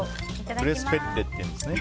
クレスペッレっていうんですね。